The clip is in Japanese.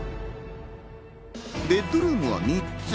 ベッドルームは３つ。